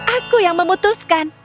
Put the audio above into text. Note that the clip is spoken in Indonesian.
aku yang memutuskan